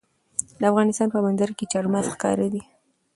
د افغانستان په منظره کې چار مغز ښکاره ده.